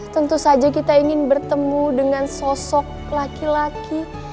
tentu saja kita ingin bertemu dengan sosok laki laki